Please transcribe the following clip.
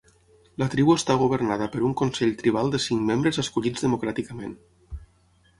La tribu està governada per un consell tribal de cinc membres escollits democràticament.